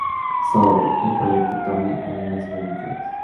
Sorrow" el proyecto Tommy había nacido mucho antes.